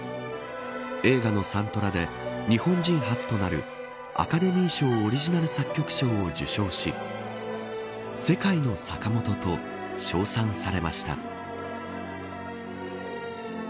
映画のサントラで日本人初となるアカデミー賞オリジナル作曲賞を受賞し世界のサカモトと称賛されました。